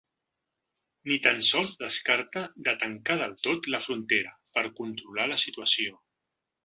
Ni tan sols descarta de tancar del tot la frontera per ‘controlar’ la situació.